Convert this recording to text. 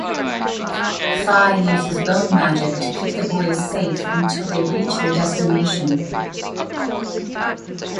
Fie uses bone magic to keep the boys safe until they reach their destination.